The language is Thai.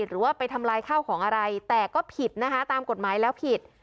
หรือว่าไปทำลายข้าวของอะไรแต่ก็ผิดนะคะตามกฎหมายแล้วผิด